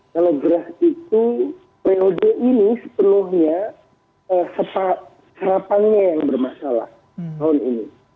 kalau gerah itu periode ini sepenuhnya serapannya yang bermasalah tahun ini